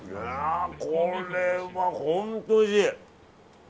これは本当においしい。